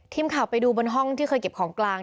ทีมข่าวไปดูบนห้องที่เคยเก็บของกลาง